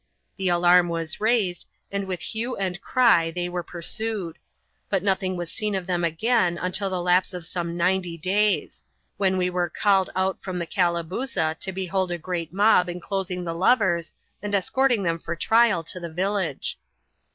The alarm was raised, and with hue and cry they were pursued ; but nothing was seen of them again until the lapse of some ninety days r when we were called out from the Calabooza to behold a great mob inclosing the lovers, and escorting them for trial to the village.